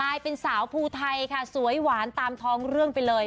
กลายเป็นสาวภูไทยค่ะสวยหวานตามท้องเรื่องไปเลย